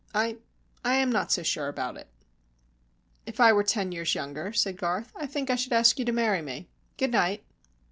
I I am not so sure about it." "If I were ten years younger," said Garth, "I think I should ask you to marry me. Good night."